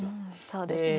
そうですね。